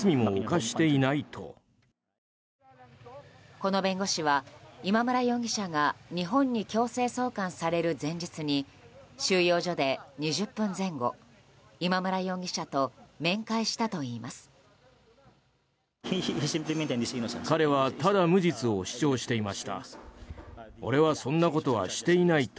この弁護士は今村容疑者が日本に強制送還される前日に収容所で２０分前後今村容疑者と面会したといいます。